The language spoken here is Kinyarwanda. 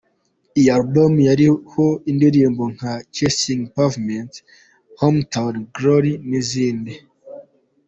Iyi album yariho indirimbo nka "Chasing Pavements", "Hometown Glory", n’izindi.